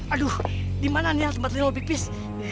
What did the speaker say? aduh di mana nih tempat lino mau pipis